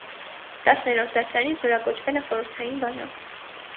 Տասներորդ դասարանից զորակոչվել է խորհրդային բանակ։